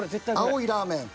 青いラーメン。